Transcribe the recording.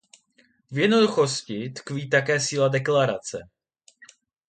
V jednoduchosti tkví také síla Deklarace.